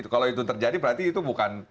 kalau itu terjadi berarti itu bukan